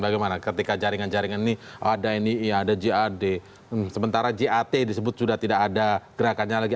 bagaimana ketika jaringan jaringan ini ada nii ada jad sementara jat disebut sudah tidak ada gerakannya lagi